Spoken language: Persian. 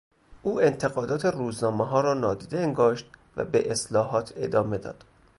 او انتقادات روزنامهها را نادیده انگاشت و به اصلاحات ادامه داد.